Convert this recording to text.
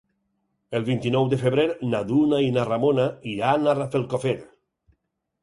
El vint-i-nou de febrer na Duna i na Ramona iran a Rafelcofer.